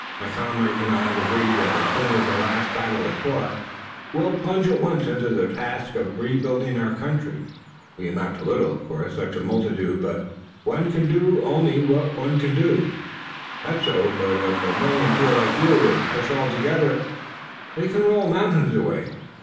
My comrades and I have agreed that as soon as the last battle is fought we'll plunge at once into the task of rebuilding our country. We amount to little, of course, in such a multitude, but one can do only what one can." "That's so, but if a million feel like you and push all together, they can roll mountains away."